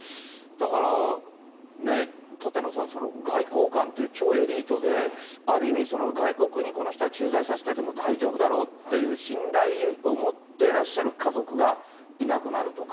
だから、舘野さん、外交官という超エリートで、ある意味外国にこの人は駐在させてても大丈夫だろうっていう信頼を持ってらっしゃる家族が、いなくなるとか。